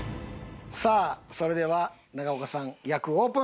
さあそれでは中岡さん役オープン！